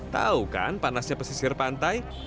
tahu kan panasnya pesisir pantai